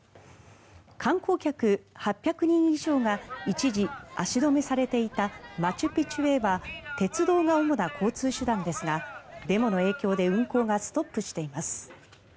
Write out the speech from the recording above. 観光客８００人以上が一時、足止めされていたマチュピチュへは鉄道が主な交通手段ですがデモの影響で運行がストップしています。